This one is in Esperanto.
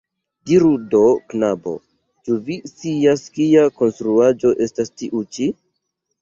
Diru do, knabo, ĉu vi scias kia konstruaĵo estas tiu ĉi?